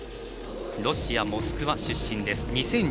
ロシア・モスクワ出身です。